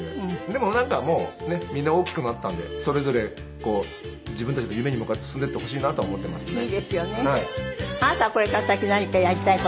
でもなんかもうみんな大きくなったんでそれぞれ自分たちの夢に向かって進んでいってほしいなとは思ってますね。